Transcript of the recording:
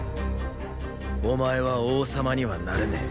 お前は王様にはなれねぇ。